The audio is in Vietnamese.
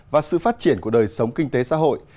và sự phát triển của đời sống kinh tế xã hội